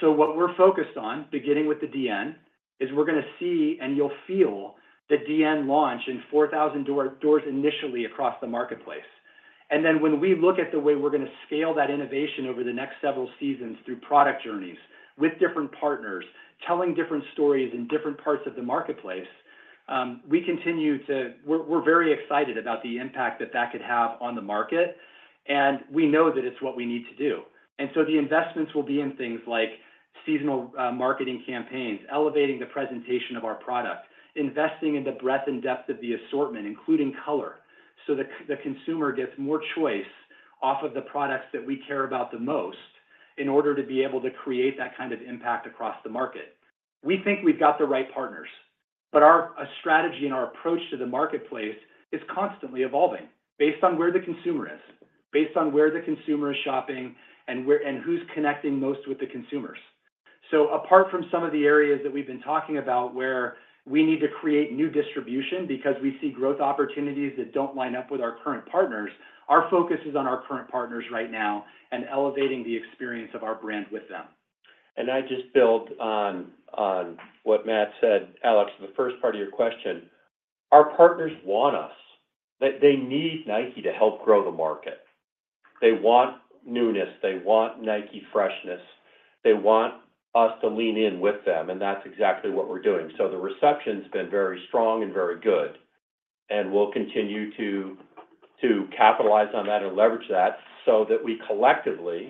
What we're focused on, beginning with the Dn, is we're going to see and you'll feel the Dn launch in 4,000 doors initially across the marketplace. When we look at the way we're going to scale that innovation over the next several seasons through product journeys with different partners, telling different stories in different parts of the marketplace, we're very excited about the impact that that could have on the market. We know that it's what we need to do. So the investments will be in things like seasonal marketing campaigns, elevating the presentation of our product, investing in the breadth and depth of the assortment, including color, so the consumer gets more choice off of the products that we care about the most in order to be able to create that kind of impact across the market. We think we've got the right partners. But our strategy and our approach to the marketplace is constantly evolving based on where the consumer is, based on where the consumer is shopping, and who's connecting most with the consumers. So apart from some of the areas that we've been talking about where we need to create new distribution because we see growth opportunities that don't line up with our current partners, our focus is on our current partners right now and elevating the experience of our brand with them. I'd just build on what Matt said, Alex, the first part of your question. Our partners want us. They need Nike to help grow the market. They want newness. They want Nike freshness. They want us to lean in with them. And that's exactly what we're doing. So the reception's been very strong and very good. And we'll continue to capitalize on that and leverage that so that we collectively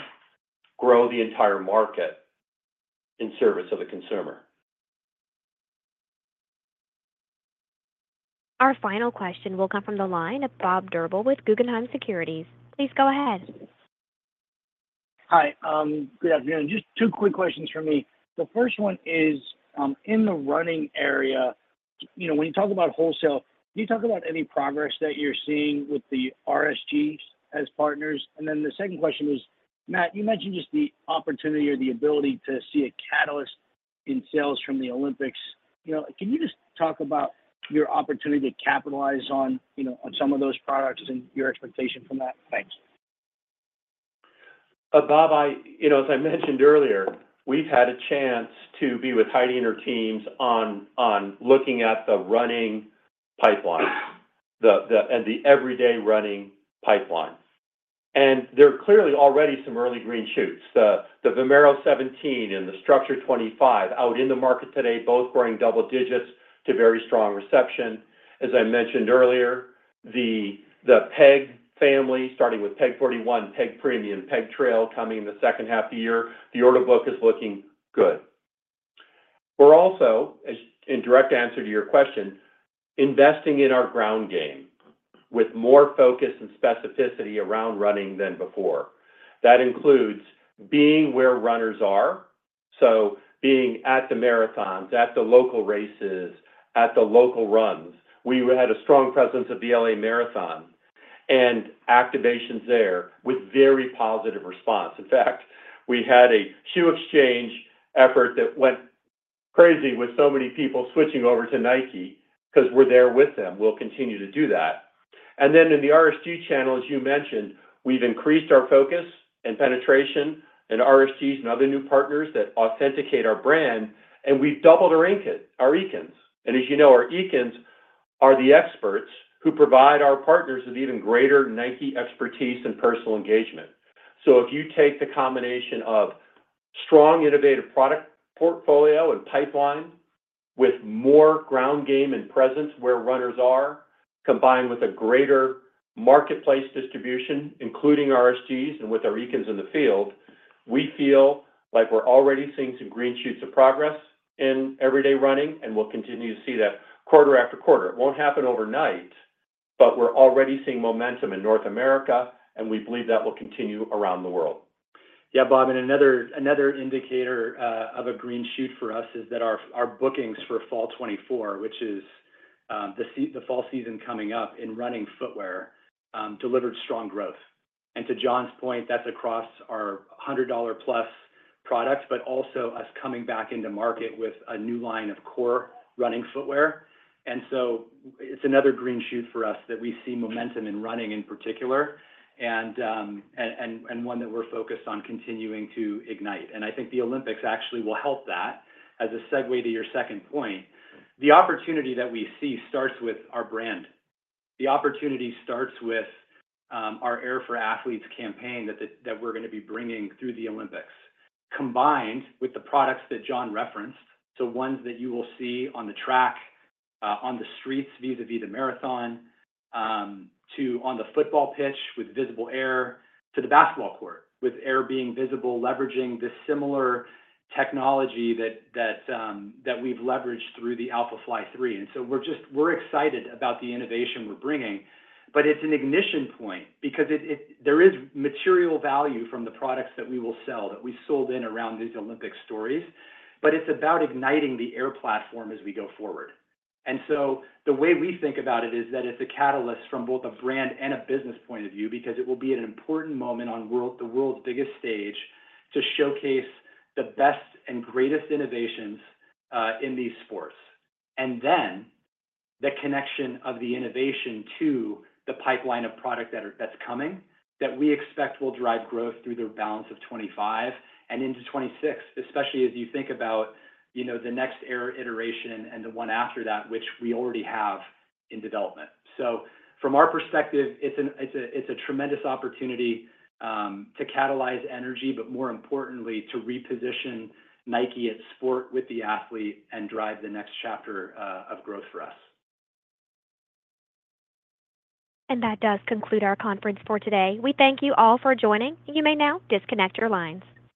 grow the entire market in service of the consumer. Our final question will come from the line of Robert Drbul with Guggenheim Securities. Please go ahead. Hi. Good afternoon. Just two quick questions from me. The first one is, in the running area, when you talk about wholesale, can you talk about any progress that you're seeing with the RSGs as partners? And then the second question is, Matt, you mentioned just the opportunity or the ability to see a catalyst in sales from the Olympics. Can you just talk about your opportunity to capitalize on some of those products and your expectation from that? Thanks. Bob, as I mentioned earlier, we've had a chance to be with Heidi and her teams on looking at the running pipeline and the everyday running pipeline. There are clearly already some early green shoots. The Vomero 17 and the Structure 25 out in the market today, both growing double digits to very strong reception. As I mentioned earlier, the Pegasus family, starting with Pegasus 41, Pegasus Premium, Pegasus Trail coming in the second half of the year, the order book is looking good. We're also, in direct answer to your question, investing in our ground game with more focus and specificity around running than before. That includes being where runners are, so being at the marathons, at the local races, at the local runs. We had a strong presence at the L.A. Marathon and activations there with very positive response. In fact, we had a shoe exchange effort that went crazy with so many people switching over to Nike because we're there with them. We'll continue to do that. And then in the RSG channel, as you mentioned, we've increased our focus and penetration in RSGs and other new partners that authenticate our brand. And we've doubled our EKINs. And as you know, our EKINs are the experts who provide our partners with even greater Nike expertise and personal engagement. So if you take the combination of strong, innovative product portfolio and pipeline with more ground game and presence where runners are, combined with a greater marketplace distribution, including RSGs and with our EKINs in the field, we feel like we're already seeing some green shoots of progress in everyday running. And we'll continue to see that quarter after quarter. It won't happen overnight, but we're already seeing momentum in North America. We believe that will continue around the world. Yeah, Bob. And another indicator of a green shoot for us is that our bookings for fall 2024, which is the fall season coming up in running footwear, delivered strong growth. And to John's point, that's across our $100-plus products but also us coming back into market with a new line of core running footwear. And so it's another green shoot for us that we see momentum in running in particular and one that we're focused on continuing to ignite. And I think the Olympics actually will help that as a segue to your second point. The opportunity that we see starts with our brand. The opportunity starts with our Air for Athletes campaign that we're going to be bringing through the Olympics, combined with the products that John referenced, so ones that you will see on the track, on the streets vis-à-vis the marathon, on the football pitch with visible Air, to the basketball court with Air being visible, leveraging this similar technology that we've leveraged through the Alphafly 3. And so we're excited about the innovation we're bringing. But it's an ignition point because there is material value from the products that we will sell that we sold in around these Olympic stories. But it's about igniting the Air platform as we go forward. The way we think about it is that it's a catalyst from both a brand and a business point of view because it will be at an important moment on the world's biggest stage to showcase the best and greatest innovations in these sports. The connection of the innovation to the pipeline of product that's coming that we expect will drive growth through the balance of 2025 and into 2026, especially as you think about the next Air iteration and the one after that, which we already have in development. From our perspective, it's a tremendous opportunity to catalyze energy but, more importantly, to reposition Nike at sport with the athlete and drive the next chapter of growth for us. That does conclude our conference for today. We thank you all for joining. You may now disconnect your lines.